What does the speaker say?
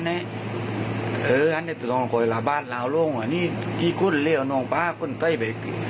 อันนี้อันนี้ตัวน้องโคยหลาบาดร้าวลงอ่ะนี่ที่คุณเรียกว่าน้องป้าคุณเก้าไป